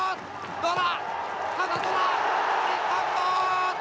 どうだ？